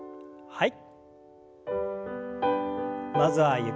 はい。